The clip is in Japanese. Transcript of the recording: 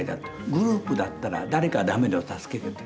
グループだったら誰かダメでも助けてくれる。